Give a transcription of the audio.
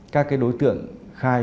các cái đối tượng khai